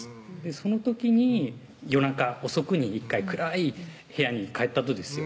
その時に夜中遅くに１回くらい部屋に帰ったとですよ